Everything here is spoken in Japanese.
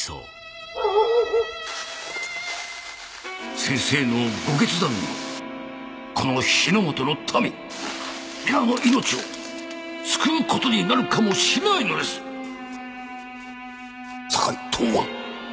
先生のご決断がこの日の本の民皆の命を救うことになるかもしれないのです酒井東庵